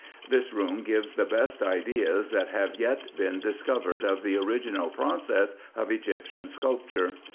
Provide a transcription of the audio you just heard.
This room gives the best ideas that have yet been dis covered of the original process of Egyptian sculpture.